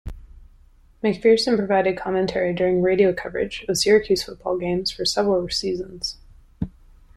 MacPherson provided commentary during radio coverage of Syracuse football games for several seasons.